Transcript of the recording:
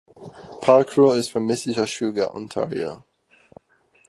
Pakrul is from Mississauga, Ontario.